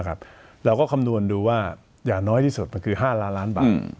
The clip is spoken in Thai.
นะครับเราก็คำนวณดูว่าอย่าน้อยที่สุดมันคือห้าร้านล้านบาทอืม